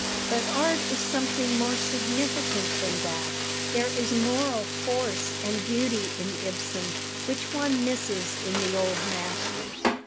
But art is something more significant than that. There is moral force and beauty in Ibsen which one misses in the old masters."